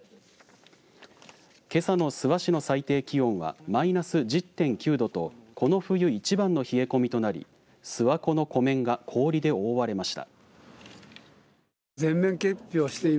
けさの諏訪市の最低気温はマイナス１０．９度とこの冬一番の冷え込みとなり諏訪湖の湖面が氷で覆われました。